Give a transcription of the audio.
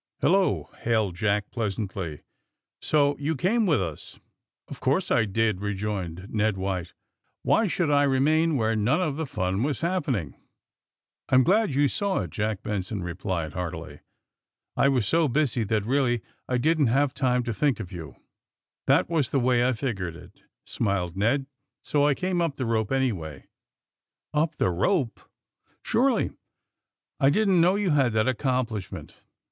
"Hello!" hailed Jack pleasantly. "So you came with us ?" "Of course I did," rejoined Ned White. "Why should I remain where none of the fun was happening^" "I'm glad you saw it," Jack Benson replied heartily. "I was so busy that, really, I didn't have time to think of you. '''' That was the way I figured it, '' smiled Ned, " so I came on board anyway." "Up the rope!" AND THE SMUGGLEKS 217 '* Surely.'' '^I didn't know you had that accomplish ment.